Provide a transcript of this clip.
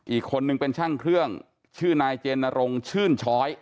อีกคนนึงเป็นช่างเครื่องชื่อนายเจนรงชื่นช้อย